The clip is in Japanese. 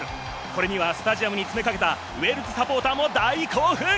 これにはスタジアムに詰めかけたウェールズサポーターも大興奮。